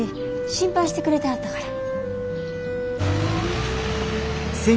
心配してくれてはったから。